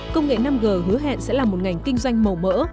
công nghệ năm g hứa hẹn sẽ là một ngành kinh doanh màu mỡ